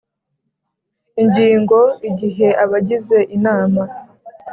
Ingingo Igihe abagize Inama